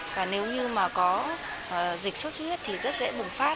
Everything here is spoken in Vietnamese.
và nếu như có dịch suất huyết thì rất dễ bùng phát